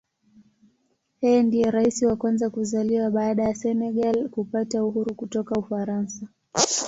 Yeye ndiye Rais wa kwanza kuzaliwa baada ya Senegal kupata uhuru kutoka Ufaransa.